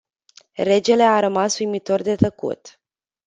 Regele a rămas uimitor de tăcut.